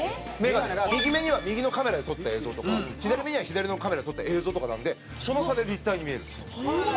右目には右のカメラで撮った映像とか左目には左のカメラで撮った映像とかなんでその差で立体に見えるんです。